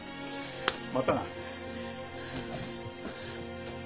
またな。